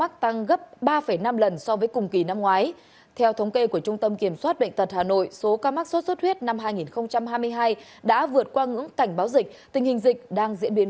các bạn hãy đăng ký kênh để ủng hộ kênh của chúng mình nhé